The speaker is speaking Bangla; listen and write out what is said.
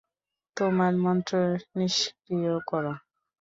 তোমার মন্ত্র নিষ্ক্রিয় করো।